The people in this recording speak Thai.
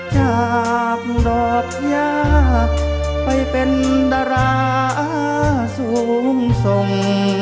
จากดอกยาไปเป็นดาราสูงส่ง